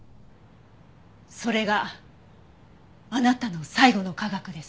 それがあなたの最後の科学です。